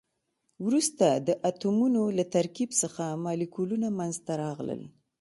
وروسته د اتمونو له ترکیب څخه مالیکولونه منځ ته راغلل.